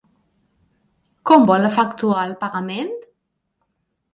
Com vol efectuar el pagament?